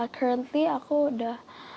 currently aku udah